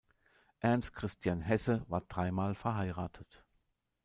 Ernst Christian Hesse war dreimal verheiratet.